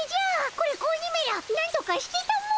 これ子鬼めらなんとかしてたも！